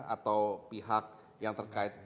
atau pihak yang terkait